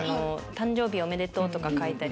誕生日おめでとう！とか書いたり。